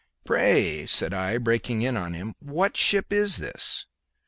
"Pray," said I, breaking in upon him, "what ship is this?"